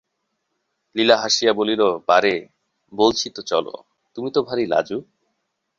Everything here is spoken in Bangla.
লীলা হাসিয়া বলিল, বারে, বলছি তো চলো, তুমি তো ভারি লাজুক?